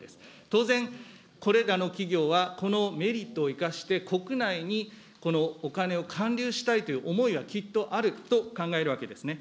当然、これらの企業は、このメリットを生かして、国内にこのお金を還流したいという思いはきっとあると思うと考えるわけですね。